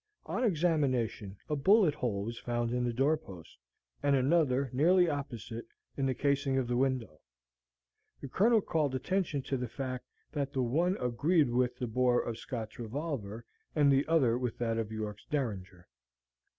On examination, a bullet hole was found in the doorpost, and another, nearly opposite, in the casing of the window. The Colonel called attention to the fact that the one "agreed with" the bore of Scott's revolver, and the other with that of York's derringer.